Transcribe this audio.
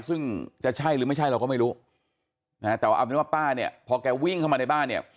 ซึ่งจะใช่หรือไม่ใช่เราก็ไม่รู้นะฮะแต่ว่าเอาเป็นว่าป้าเนี่ยพอแกวิ่งเข้ามาในบ้านเนี่ย